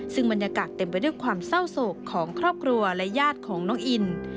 ซึ่งบรรยากาศเต็มไปด้วยความเศร้าโศกของครอบครัวและญาติของน้องอิน